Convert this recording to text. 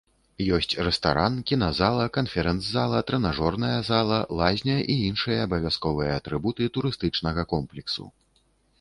Ёсць рэстаран, кіназала, канферэнц-зала, трэнажорная зала, лазня і іншыя абавязковыя атрыбуты турыстычнага комплексу.